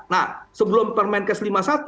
nah sebelum permenkes lima puluh satu